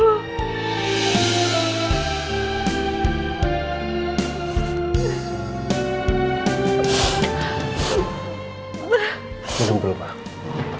berikan kekuatan untuk keluarga ku memikul cobaan ini ya allah